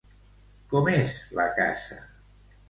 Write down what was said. Com és la casa?